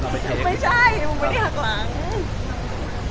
ไม่ใช่ไม่ได้หักหลัง